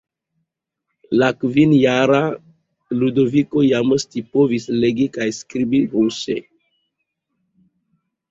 La kvinjara Ludoviko jam scipovis legi kaj skribi ruse.